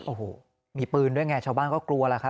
โอ้โหมีปืนด้วยไงชาวบ้านก็กลัวล่ะครับ